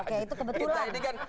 oke itu kebetulan